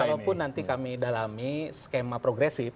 kalaupun nanti kami dalami skema progresif